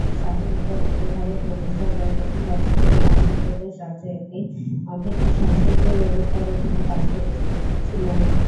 স্বাধীনতা-উত্তর ভারত প্রতিষ্ঠার পর প্রথম বছর থেকেই, অন্ধ্রপ্রদেশ রাজ্য একটি অভিন্ন সংসদীয় ব্যবস্থার অধীনে কাজ করেছিল।